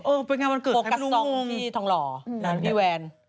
เออไปงานวันเกิดให้พี่ดูงงโปรกกัสซองที่ทองหล่อด้านพี่แวน